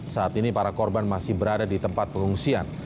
saat ini para korban masih berada di tempat pengungsian